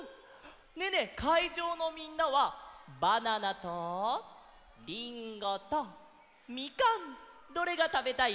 ねえねえかいじょうのみんなは「バナナ」と「りんご」と「みかん」どれがたべたい？